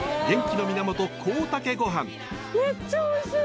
めっちゃおいしい！